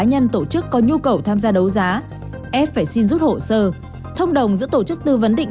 nhân tổ chức có nhu cầu tham gia đấu giá f phải xin rút hồ sơ thông đồng giữa tổ chức tư vấn định